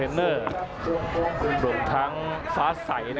อัศวินาศาสตร์